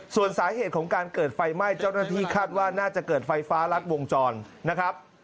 ส่วนสาเหตุของการเกิดไฟไหม้เจ้าหน้าที่คาดว่าน่าจะเกิดไฟฟ้ารัดวงจรนะครับ